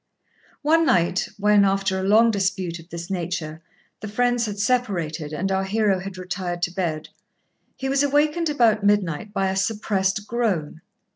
One night, when, after a long dispute of this nature, the friends had separated and our hero had retired to bed, he was awakened about midnight by a suppressed groan.